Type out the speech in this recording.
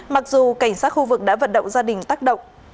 mặc dù cảnh sát khu vực đã vận động gia đình tác động